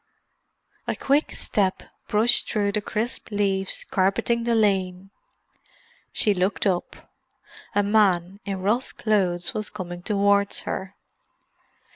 A quick step brushed through the crisp leaves carpeting the lane. She looked up. A man in rough clothes was coming towards her.